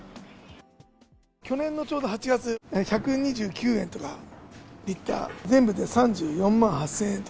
去年のちょうど８月、１２９円とか、リッター、全部で３４万８０００円と。